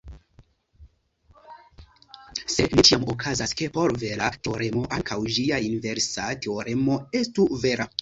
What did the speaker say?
Sed ne ĉiam okazas, ke por vera teoremo ankaŭ ĝia inversa teoremo estu vera.